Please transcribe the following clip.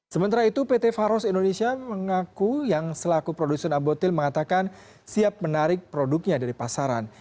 sementara itu pt faros indonesia mengaku yang selaku produsen albutil mengatakan siap menarik produknya dari pasaran